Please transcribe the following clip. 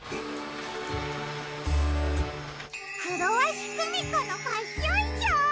クロワシクミコのファッションショー？